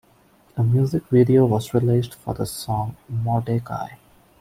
A music video was released for the song Mordecai.